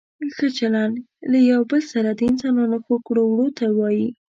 ښه چلند له یو بل سره د انسانانو ښو کړو وړو ته وايي.